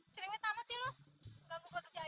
seringnya tamat sih lo gak gue kerja aja